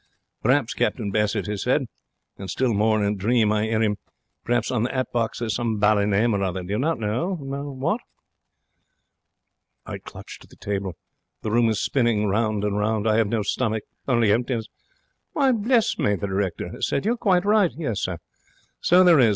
'Per'aps,' Captain Bassett has said and still more in a dream I 'ear him 'per'aps on the 'at box there is some bally name or other, do you not know what?' I clutch at the table. The room is spinning round and round. I have no stomach only emptiness. 'Why, bless me,' the directeur has said, 'you're quite right, sir. So there is.